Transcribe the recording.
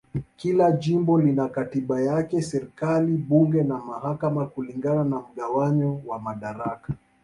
Kila jimbo lina katiba yake, serikali, bunge na mahakama kulingana na mgawanyo wa madaraka.